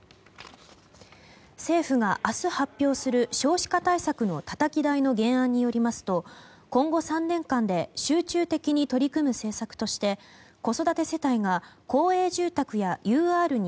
政府が明日発表する少子化対策のたたき台の原案によりますと、今後３年間で集中的に取り組む政策として子育て世帯が公営住宅やＵＲに